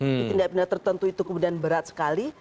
di tindak pidana tertentu itu kemudian berat sekali